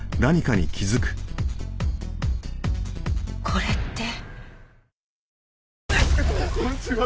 これって。